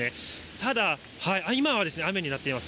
ただ、今は雨になっています。